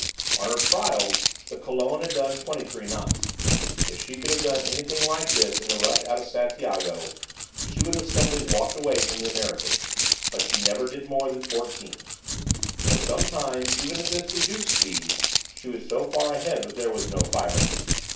On her trials the "Colon" had done 23 knots. If she could have done anything like this in the rush out of Santiago, she would have simply walked away from the Americans, but she never did more than fourteen. For some time, even at this reduced speed, she was so far ahead that there was no firing.